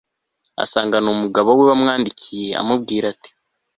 asanga ni umugabo we wamwandikiye amubwira ati